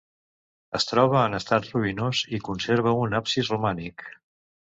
Es troba en estat ruïnós i conserva un absis romànic.